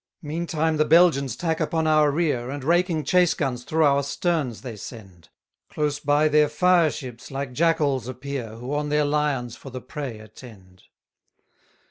82 Meantime the Belgians tack upon our rear, And raking chase guns through our sterns they send: Close by their fire ships, like jackals appear Who on their lions for the prey attend.